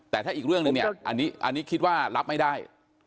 แต่ถ้าอีกเรื่องหนึ่งเนี่ยอันนี้คิดว่ารับไม่ได้